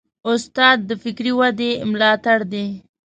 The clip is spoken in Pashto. استاد د فکري ودې ملاتړی دی.